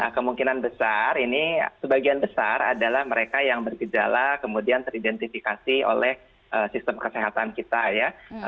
kemungkinan besar ini sebagian besar adalah mereka yang bergejala kemudian teridentifikasi oleh sistem kesehatan kita ya